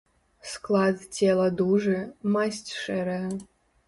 Склад цела дужы, масць шэрая.